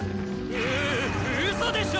うううそでしょ